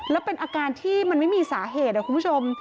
แล้วเป็นอาการที่มันไม่มีสาเหตุคุณผู้ชม